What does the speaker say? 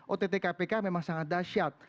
ott kpk memang sangat dahsyat